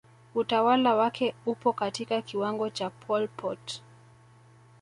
Utawala wake upo katika kiwango cha Pol Pot